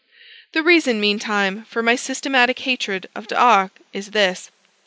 The reason, meantime, for my systematic hatred of D'Arc is this.